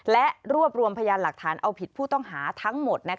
และรวบรวมพยานหลักฐานเอาผิดผู้ต้องหาทั้งหมด